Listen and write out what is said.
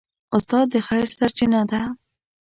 استاد د خیر سرچینه ده.